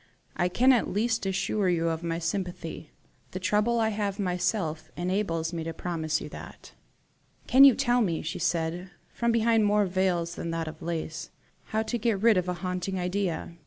I can at least assure you of my sympathy. The trouble I have myself had enables me to promise you that." "Can you tell me," she said, from behind more veils than that of lace, "how to get rid of a haunting idea?"